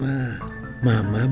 mama bukan makan